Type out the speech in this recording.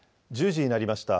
１０時になりました。